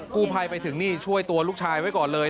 กู้ภัยไปถึงนี่ช่วยตัวลูกชายไว้ก่อนเลย